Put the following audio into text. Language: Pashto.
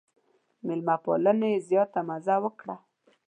مېلمه پالنې یې زیاته مزه وکړه.